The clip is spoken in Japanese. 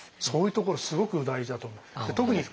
そういうところすごく大事だと思う。